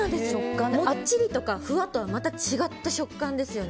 もっちりとか、ふわっとはまた違った食感ですよね。